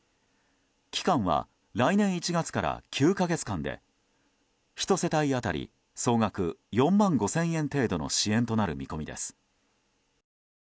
期間は来年１月から９か月間で１世帯当たり総額４万５０００円程度の支援となる見込みです。